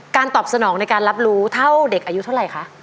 ตอบสนองในการรับรู้เท่าเด็กอายุเท่าไหร่คะ